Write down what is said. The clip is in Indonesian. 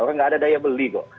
orang gak ada daya beli kok